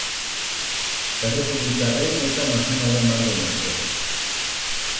Errepublikarren eta nazionalen bandoen artean.